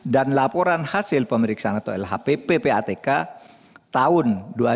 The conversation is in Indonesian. dan laporan hasil pemeriksaan atau lhpp patk tahun dua ribu sembilan dua ribu dua puluh tiga